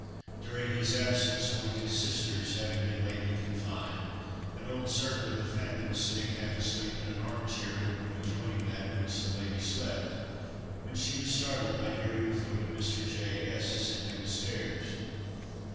During his absence, one of his sisters, having been lately confined, an old servant of the family was sitting half asleep in an arm chair, in a room adjoining that in which the lady slept, when she was startled by hearing the foot of Mr. J—— S—— ascending the stairs.